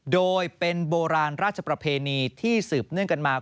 โดยเป็นโบราณราชประเพณีที่สืบเนื่องกันมา